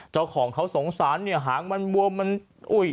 เจ้าของเขาสงสารเนี่ยหางมันบวมมันอุ้ย